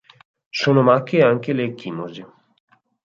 Sono macchie anche le ecchimosi.